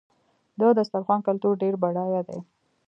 د دسترخوان کلتور ډېر بډایه دی.